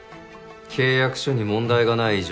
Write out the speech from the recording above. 契約書に問題がない以上